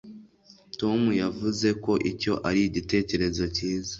tom yavuze ko icyo ari igitekerezo cyiza